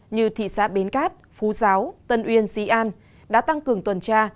như thị xã bến cát phú giáo tân uyên xí an đã tăng cường tuần tra